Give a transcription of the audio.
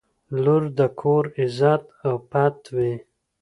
• لور د کور عزت او پت وي.